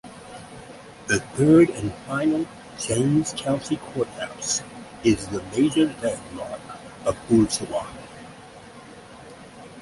The third and final James County Courthouse is the major landmark of Ooltewah.